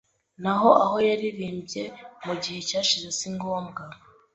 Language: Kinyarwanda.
naho aho yaririmbye mu gihe cyashize singombwa